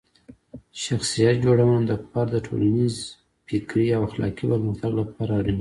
شخصیت جوړونه د فرد د ټولنیز، فکري او اخلاقي پرمختګ لپاره اړینه ده.